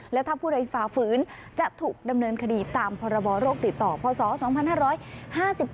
และถ้าผู้ใดฝ่าฝืนจะถูกดำเนินคดีตามพรบโรคติดต่อพศ๒๕๕๘